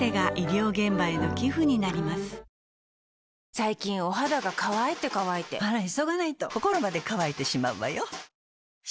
最近お肌が乾いて乾いてあら急がないと心まで乾いてしまうわよ。